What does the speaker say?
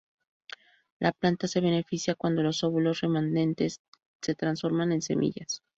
La planta se beneficia cuando los óvulos remanentes se transforman en semillas.